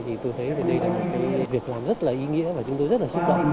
thì tôi thấy đây là một việc làm rất là ý nghĩa và chúng tôi rất là xúc động